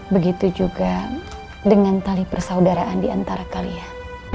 begitu juga dengan tali persaudaraan diantara kalian